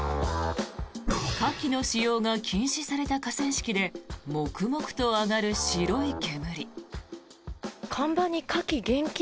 火気の使用が禁止された河川敷でモクモクと上がる白い煙。